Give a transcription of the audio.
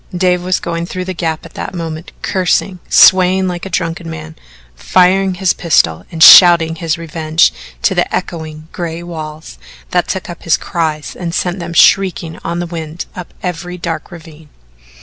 Dave was going through the Gap at that moment, cursing, swaying like a drunken man, firing his pistol and shouting his revenge to the echoing gray walls that took up his cries and sent them shrieking on the wind up every dark ravine.